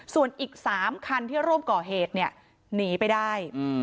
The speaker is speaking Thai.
ส่วนอีก๓คันที่ร่วมก่อเหตุเนี่ยหนีไปได้